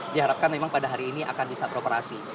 diharapkan memang pada hari ini akan bisa beroperasi